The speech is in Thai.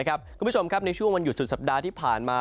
คุณผู้ชมครับในช่วงวันหยุดสุดสัปดาห์ที่ผ่านมา